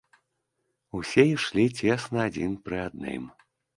Усе ішлі цесна адзін пры адным.